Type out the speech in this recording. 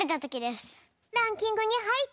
ランキングにはいっているのか？